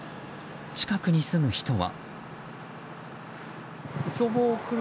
近くに住む人は。